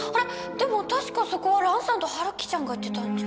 でも確かそこは蘭さんと春希ちゃんが行ってたんじゃ。